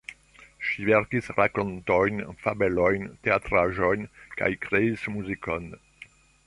Ŝi verkis rakontojn, fabelojn, teatraĵojn kaj kreis muzikon.